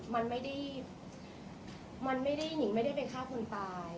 มันไม่ได้มันไม่ได้นิ่งไม่ได้ไปฆ่าคนตาย